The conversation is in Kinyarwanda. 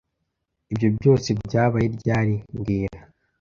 Ibyo byose byabaye ryari mbwira